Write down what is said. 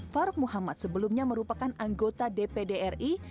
faruk muhammad sebelumnya merupakan anggota dpdri